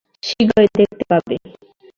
শীঘ্রই দেখতে পাবে।